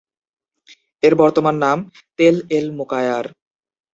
এর বর্তমান নাম "তেল এল-মুকায়ার"।